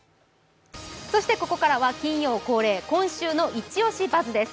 そしてここからは金曜恒例、「今週のイチオシバズ！」です。